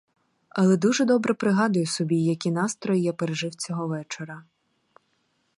Але дуже добре пригадую собі, які настрої я пережив цього вечора.